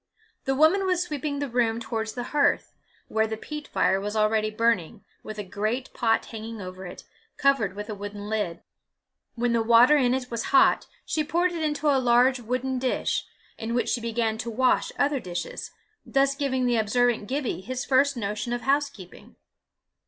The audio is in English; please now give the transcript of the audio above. The woman was sweeping the room towards the hearth, where the peat fire was already burning, with a great pot hanging over it, covered with a wooden lid. When the water in it was hot, she poured it into a large wooden dish, in which she began to wash other dishes, thus giving the observant Gibbie his first notion of housekeeping.